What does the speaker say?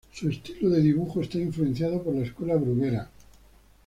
Su estilo de dibujo está influenciado por la Escuela Bruguera.